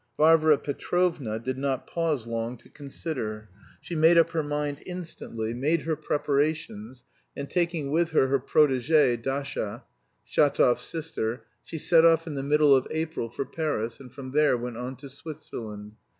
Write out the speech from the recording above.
Varvara Petrovna did not pause long to consider; she made up her mind instantly, made her preparations, and taking with her her protégée, Dasha (Shatov's sister), she set off in the middle of April for Paris, and from there went on to Switzerland.